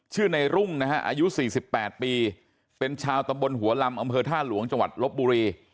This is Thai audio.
ในรุ่งนะฮะอายุ๔๘ปีเป็นชาวตำบลหัวลำอำเภอท่าหลวงจังหวัดลบบุรี